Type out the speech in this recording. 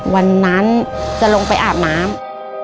วันนั้นจะลงไปอาบน้ำ